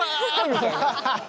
みたいな。